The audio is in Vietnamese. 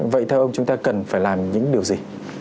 vậy theo ông chúng ta cần phải làm những điều gì